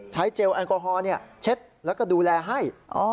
เจลแอลกอฮอล์เช็ดแล้วก็ดูแลให้